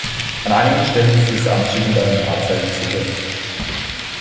An einigen Stellen ist dieser Anstieg mit einem Drahtseil gesichert.